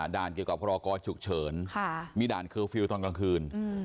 ด่านเกี่ยวกับพรกรฉุกเฉินมีด่านเคอร์ฟิลล์ตอนกลางคืน